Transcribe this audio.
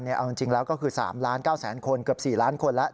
เอาจริงแล้วก็คือ๓๙๐๐คนเกือบ๔ล้านคนแล้ว